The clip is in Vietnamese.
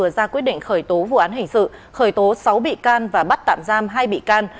ra quyết định khởi tố vụ án hình sự khởi tố sáu bị can và bắt tạm giam hai bị can